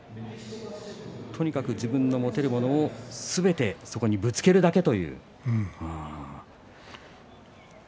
とにかく自分の持てるものをすべてそこにぶつけるだけという。